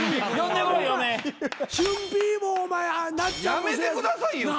やめてくださいよ。